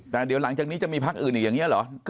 แต่เดี๋ยวหลังจากนี้จะมีพักอื่นอีกอย่างนี้เหรอ